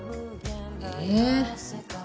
え！